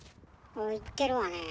いってるわねえ。